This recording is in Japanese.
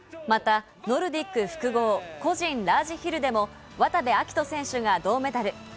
またノルディック複合・個人ラージヒルでも渡部暁斗選手が銅メダル。